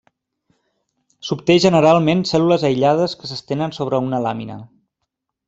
S'obté generalment cèl·lules aïllades que s'estenen sobre una làmina.